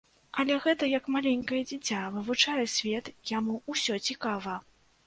Але гэта як маленькае дзіця вывучае свет, яму ўсё цікава.